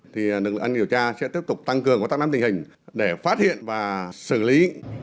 thì nước lực ăn điều tra sẽ tiếp tục tăng cường và tăng năng tình hình để phát hiện và xử lý